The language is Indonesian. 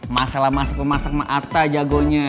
masalah masak pemasak sama atta jagonya